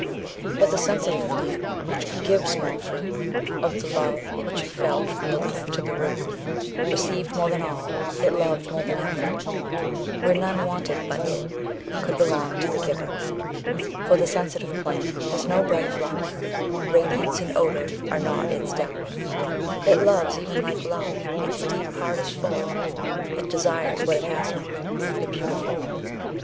But the Sensitive Plant which could give small fruit _70 Of the love which it felt from the leaf to the root, Received more than all, it loved more than ever, Where none wanted but it, could belong to the giver, For the Sensitive Plant has no bright flower; Radiance and odour are not its dower; _75 It loves, even like Love, its deep heart is full, It desires what it has not, the Beautiful!